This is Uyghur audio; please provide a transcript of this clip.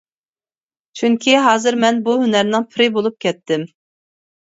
چۈنكى ھازىر مەن بۇ ھۈنەرنىڭ پىرى بولۇپ كەتتىم.